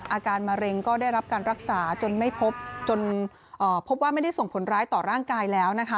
อาการมะเร็งก็ได้รับการรักษาจนไม่พบจนพบว่าไม่ได้ส่งผลร้ายต่อร่างกายแล้วนะคะ